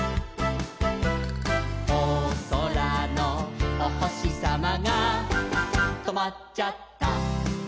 「おそらのおほしさまがとまっちゃった」